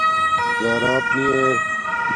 زراپ نی ار